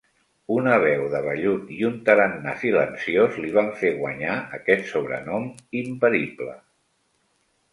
Una veu de vellut i un tarannà silenciós li van fer guanyar aquest sobrenom imperible.